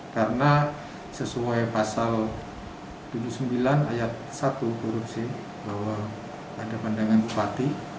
karena sesuai pasal tujuh puluh sembilan ayat satu kurusin bahwa ada pandangan bupati